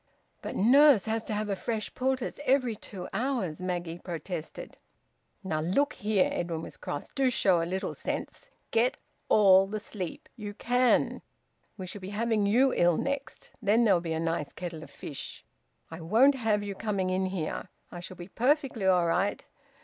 "But Nurse has to have a fresh poultice every two hours," Maggie protested. "Now, look here!" Edwin was cross. "Do show a little sense. Get all the sleep you can. We shall be having you ill next, and then there'll be a nice kettle of fish. I won't have you coming in here. I shall be perfectly all right.